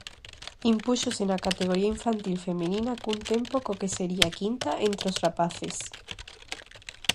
Impúxose na categoría infantil feminina cun tempo co que sería quinta entre os rapaces.